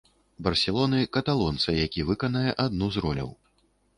Барселоны, каталонца, які выканае адну з роляў.